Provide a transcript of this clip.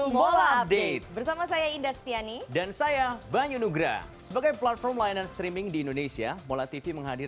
hai selamat datang di mola update